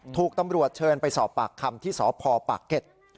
ถูกตำรวจเชิญไปสอบปากคำที่สพปากเก็ต